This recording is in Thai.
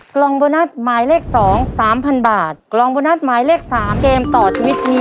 กล่องโบนัสหมายเลขสองสามพันบาทกล่องโบนัสหมายเลขสามเกมต่อชีวิตนี้